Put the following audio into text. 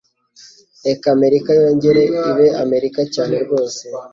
Reka Amerika yongere ibe Amerika cyane rwose